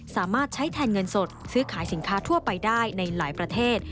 สามารถใช้แทนเงินสดซื้อขายสินค้าทั่วไปได้ในหลายประเทศ